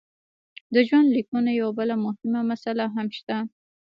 د ژوندلیکونو یوه بله مهمه مساله هم شته.